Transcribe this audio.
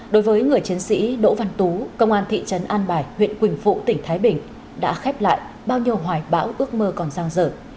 đối với người chiến sĩ đỗ văn tú công an thị trấn an bài huyện quỳnh phụ tỉnh thái bình đã khép lại bao nhiêu hoài bão ước mơ còn giang dở